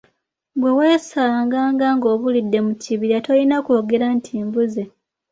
Bwe weesanganga ng’obulidde mu kibira tolina kwogera nti “mbuze”.